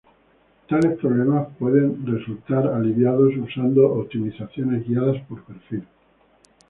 Tales problemas pueden ser aliviados usando optimizaciones guiadas por perfil.